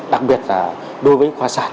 đặc biệt là đối với khoa sản